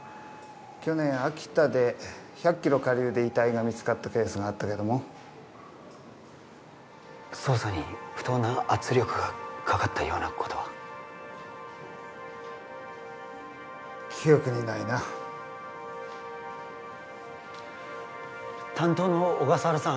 去年秋田で１００キロ下流で遺体が見つかったケースがあったけども捜査に不当な圧力がかかったようなことは記憶にないな担当の小笠原さん